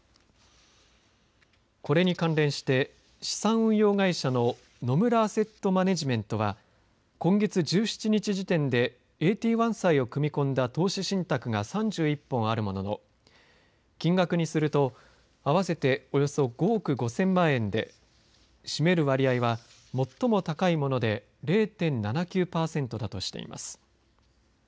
これに関連して資産運用会社の野村アセットマネジメントは今月１７日時点でＡＴ１債を組み込んだ投資信託が３１本あるものの金額にすると合わせておよそ５億５０００万円で占める割合は最も高いもので０．７９パーセントだとしています。